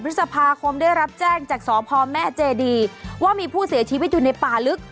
พฤษภาคมได้รับแจ้งจากสพแม่เจดีว่ามีผู้เสียชีวิตอยู่ในป่าลึก